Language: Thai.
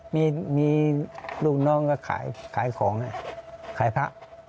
มีลูกน้องก็ขายของขายพระ